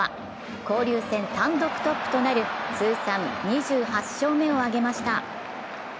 交流戦単独トップとなる通算２８勝目を挙げました。